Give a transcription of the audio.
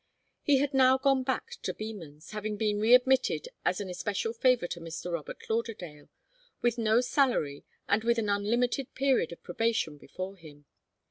He had now gone back to Beman's, having been readmitted as an especial favour to Mr. Robert Lauderdale, with no salary and with an unlimited period of probation before him.